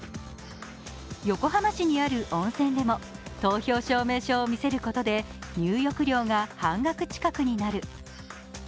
横浜市にある温泉でも投票証明書を見せることで入浴料が半額近くになる。